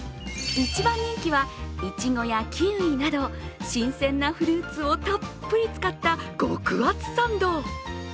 一番人気はいちごやキウイなど新鮮なフルーツをたっぷり使った極厚サンド。